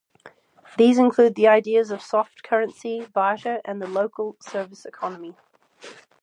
These include the ideas of soft currency, barter and the local service economy.